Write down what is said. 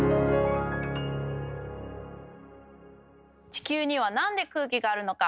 地球にはなんで空気があるのか？